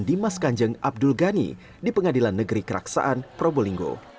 dimas kanjeng abdul ghani di pengadilan negeri keraksaan probolinggo